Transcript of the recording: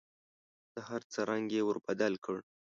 د هر څه رنګ یې ور بدل کړ .